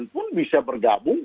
pun bisa bergabung